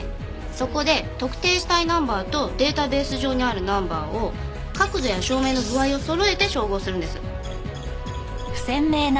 そこで特定したいナンバーとデータベース上にあるナンバーを角度や照明の具合をそろえて照合するんです。